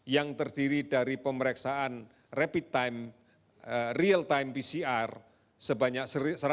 yang terdiri dari pemeriksaan rapid time real time pcr sebanyak satu ratus lima puluh empat ratus sembilan puluh tiga